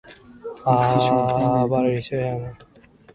The local population is made up primarily of Bulgarian Muslims.